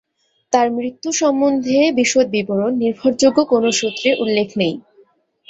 তার মৃত্যু সম্বন্ধে বিশদ বিবরণ নির্ভরযোগ্য কোনো সূত্রে উল্লেখ নেই।